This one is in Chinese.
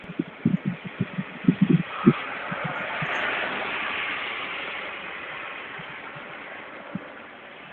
已知其中有许多化学物质可为植物提供保护以防昆虫的攻击以及抗植物病害。